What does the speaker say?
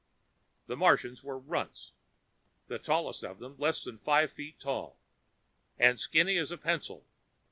The Martians were runts the tallest of them less than five feet tall and skinny as a pencil.